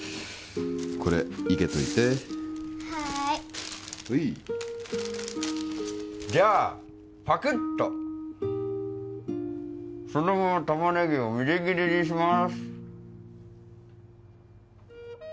これ生けといてはーいほいじゃあパクッとそのまま玉ねぎをみじん切りにします